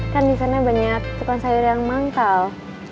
kan di sana banyak tukang sayur yang manggal